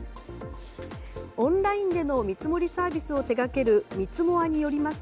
オンラインでの見積もりサービスを手掛けるミツモアによります